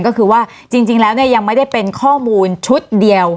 ก็คือว่าจริงแล้วเนี่ยยังไม่ได้เป็นข้อมูลชุดเดียว